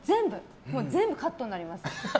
全部カットになります。